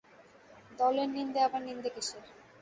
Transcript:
দলের নিন্দে আবার নিন্দে কিসের!